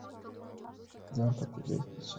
ځان په طبیعت کې چارج کړئ.